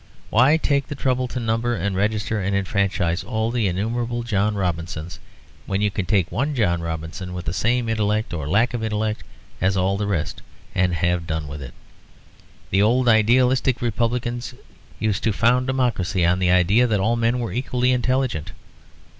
Why take the trouble to number and register and enfranchise all the innumerable John Robinsons, when you can take one John Robinson with the same intellect or lack of intellect as all the rest, and have done with it? The old idealistic republicans used to found democracy on the idea that all men were equally intelligent.